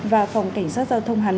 và phòng cảnh sát giao thông hà nội